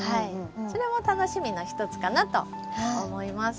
それも楽しみのひとつかなと思います。